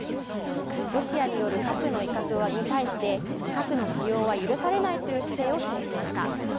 ロシアによる核の威嚇は核の使用は許されないという姿勢を示しました。